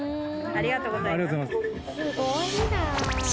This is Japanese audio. ありがとうございます。